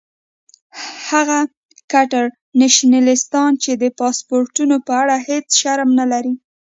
هغه کټر نیشنلستان چې د پاسپورټونو په اړه هیڅ شرم نه لري.